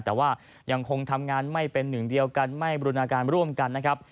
แต่ว่ายังคงทำงานไม่เป็นหนึ่งเดียวกันไม่บรินาการร่วมกันนะครับ